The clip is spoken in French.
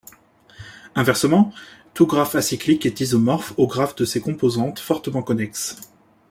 Inversement, tout graphe acyclique est isomorphe au graphe de ses composantes fortement connexes.